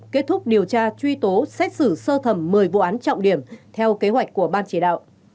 kết thúc điều tra truy tố xét xử sơ thẩm một mươi vụ án trọng điểm theo kế hoạch của ban chỉ đạo